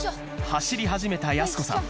走り始めたやす子さん